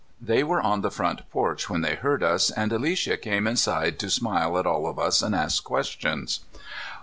They were on the front porch when they heard us, and Alicia came inside to smile at all of us and ask questions.